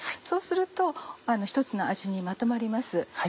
そうすると一つの味にまとまります。